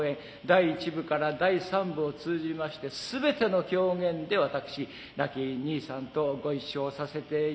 第一部から第三部を通じまして全ての狂言で私亡きにいさんとご一緒させていただきました。